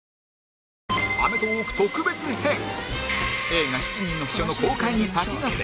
映画『七人の秘書』の公開に先駆け